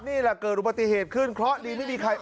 นี่แหละเกิดอุบัติเหตุขึ้นเคราะห์ดีไม่มีใคร